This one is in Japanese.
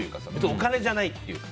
お金じゃないという。